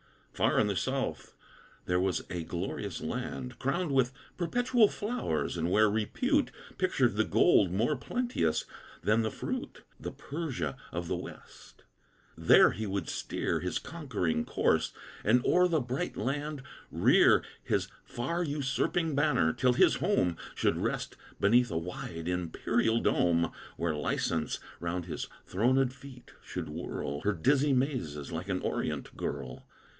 Far in the South there was a glorious land Crowned with perpetual flowers, and where repute Pictured the gold more plenteous than the fruit The Persia of the West. There would he steer His conquering course; and o'er the bright land rear His far usurping banner, till his home Should rest beneath a wide, imperial dome, Where License, round his thronèd feet, should whirl Her dizzy mazes like an Orient girl.